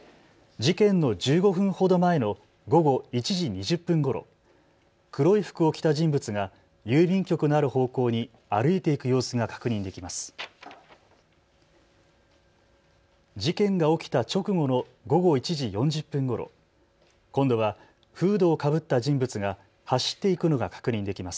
事件の１５分ほど前の午後１時２０分ごろ、黒い服を着た人物が郵便局のある方向に歩いて行く様子が確認できます。